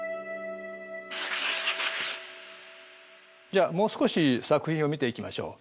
じゃあもう少し作品を見ていきましょう。